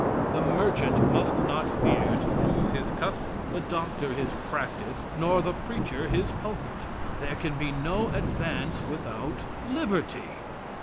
The merchant must not fear to lose his custom, the doctor his practice, nor the preacher his pulpit. There can be no advance without liberty.